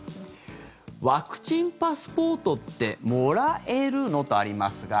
ワクチンパスポートってもらえるの？とありますが。